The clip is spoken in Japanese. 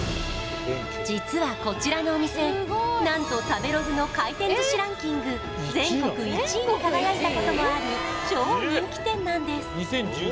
実はこちらのお店なんと食べログの回転寿司ランキング全国１位に輝いたこともある超人気店なんです